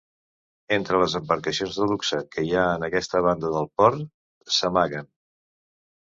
Entre les embarcacions de luxe que hi ha en aquesta banda del port, s'amaguen.